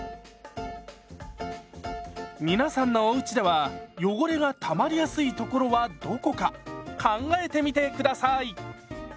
皆さんのおうちでは汚れがたまりやすい所はどこか考えてみて下さい！